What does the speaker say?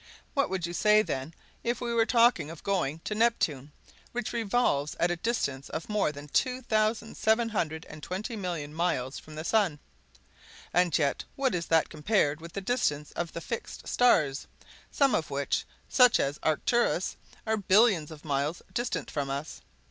What would you say, then, if we were talking of going to Neptune, which revolves at a distance of more than two thousand seven hundred and twenty millions of miles from the sun! And yet what is that compared with the distance of the fixed stars, some of which, such as Arcturus, are billions of miles distant from us?